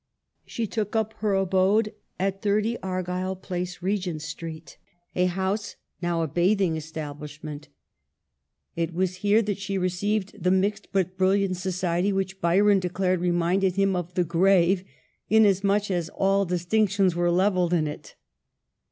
She took up her abode at 30, Argyll Place, Re gent Street, a house now a bathing establishment. (180) Digitized by VjOOQLC ENGLAND AGAIN l8l It was here that she received the mixed but bril liant society which Byron declared reminded him of the grave, inasmuch as all distinctions were levelled in it